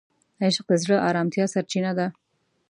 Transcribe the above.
عشق د زړه د آرامتیا سرچینه ده.